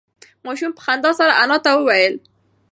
ماشوم په خندا سره انا ته وویل نه.